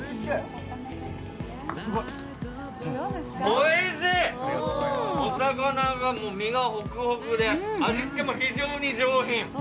おいしい、お魚が身がほくほくで味付けも非常に上品。